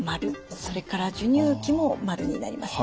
それから授乳期も○になります。